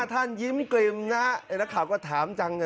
ท่านบัตรประชารัฐผ่านแล้วนะ